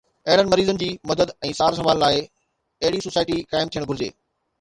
اهڙن مريضن جي مدد ۽ سار سنڀال لاءِ اهڙي سوسائٽي قائم ٿيڻ گهرجي